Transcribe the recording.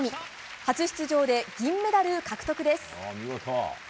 初出場で銀メダル獲得です。